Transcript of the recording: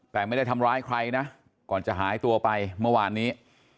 แต่ไม่ได้ทำร้ายใครนะก่อนจะหายตัวไปเมื่อวานนี้